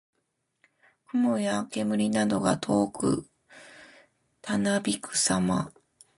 雲や煙などが遠くたなびくさま。